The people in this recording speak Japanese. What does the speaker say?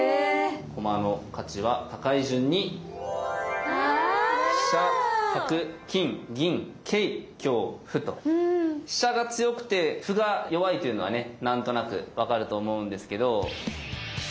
駒の価値は高い順に飛車が強くて歩が弱いというのはね何となく分かると思うんですけど。